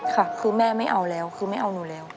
ค่ะคือแม่ไม่เอาแล้วคือไม่เอาหนูแล้ว